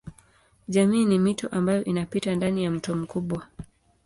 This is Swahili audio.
Jamii ni mito ambayo inapita ndani ya mto mkubwa.